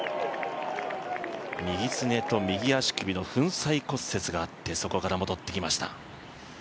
右すねと右足首の粉砕骨折があってそこから戻ってきました。